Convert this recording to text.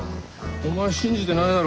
お前信じてないだろ。